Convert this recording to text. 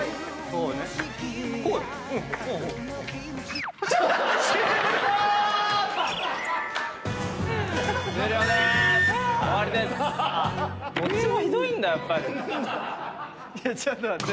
どっちもひどいんだやっぱり。